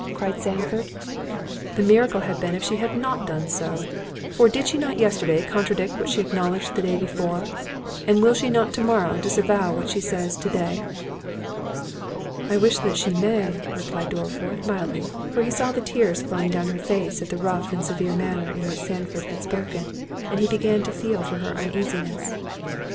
cried Sandford; "the miracle had been if she had not done so—for did she not yesterday contradict what she acknowledged the day before? and will she not to morrow disavow what she says to day?" "I wish that she may—" replied Dorriforth mildly, for he saw the tears flowing down her face at the rough and severe manner in which Sandford had spoken, and he began to feel for her uneasiness.